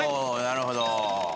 なるほど。